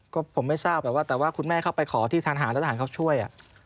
ก็ผมไม่ทราบแบบว่าแต่ว่าคุณแม่เข้าไปขอที่ทหารแล้วทหารเขาช่วย